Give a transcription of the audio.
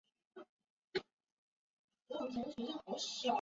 现在称为警察大厦公寓。